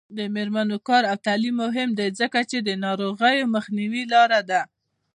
د میرمنو کار او تعلیم مهم دی ځکه چې ناروغیو مخنیوي لاره ده.